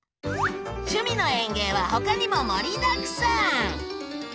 「趣味の園芸」はほかにも盛りだくさん！